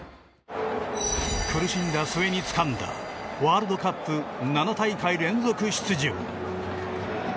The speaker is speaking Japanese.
苦しんだ末につかんだワールドカップ７大会連続出場。